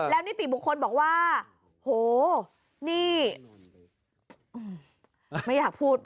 แล้วนิติบุคคลบอกว่าโหนี่ไม่อยากพูดป่